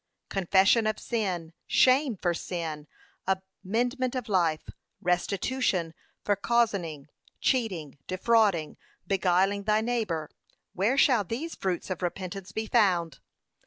Confession of sin, shame for sin, amendment of life, restitution for cozening, cheating, defrauding, beguiling thy neighbour, where shall these fruits of repentance be found?